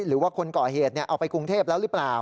หรือว่าคนก่อเหตุเอาไปกรุงเทพแล้วหรือเปล่า